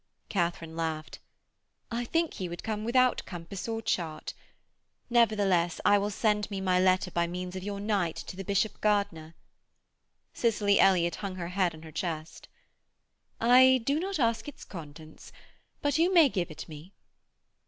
Katharine laughed. 'I think he would come without compass or chart. Nevertheless, I will send me my letter by means of your knight to Bishop Gardiner.' Cicely Elliott hung her head on her chest. 'I do not ask its contents, but you may give it me.'